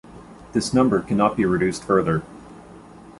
This number cannot be reduced further.